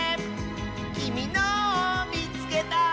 「きみのをみつけた！」